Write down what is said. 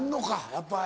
やっぱり。